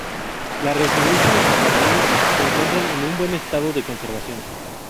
La residencia y sus jardines se encuentran en un buen estado de conservación.